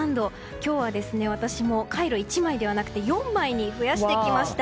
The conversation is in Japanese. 今日は私もカイロ１枚ではなく４枚に増やしてきました。